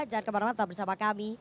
jangan kemana mana tetap bersama kami